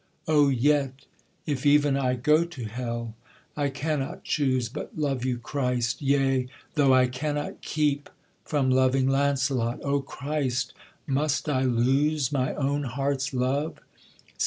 O yet If even I go to hell, I cannot choose But love you, Christ, yea, though I cannot keep From loving Launcelot; O Christ! must I lose My own heart's love?